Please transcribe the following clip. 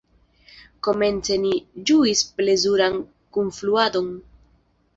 Komence ni ĝuis plezuran kunfluadon.